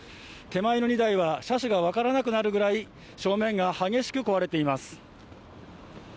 手前の２台は車種が分からなくなるくらい正面が激しく壊れています。